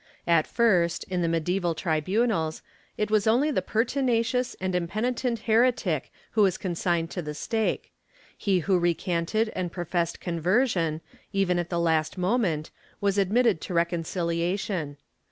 At first, in the medieval tribimals, it was only the pertinacious and impenitent heretic who was consigned to the stake; he who recanted and professed conversion, even at the last moment, was admitted to reconcihation.